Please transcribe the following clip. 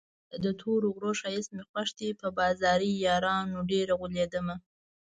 ټپه ده: د تورو غرو ښایست مې خوښ دی په بازاري یارانو ډېر اوغولېدمه